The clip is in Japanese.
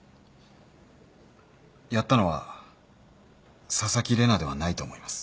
やったのは紗崎玲奈ではないと思います。